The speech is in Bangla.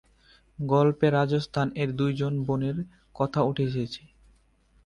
গল্পে রাজস্থান এর দুইজন বোনের কথা উঠে এসেছে।